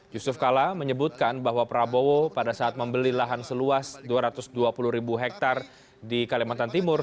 yusuf kala menyebutkan bahwa prabowo pada saat membeli lahan seluas dua ratus dua puluh ribu hektare di kalimantan timur